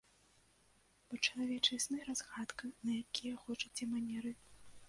Бо чалавечыя сны разгадка на якія хочаце манеры.